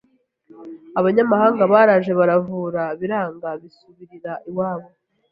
Abanyamahanga baraje baravura biranga bisubirira iwabo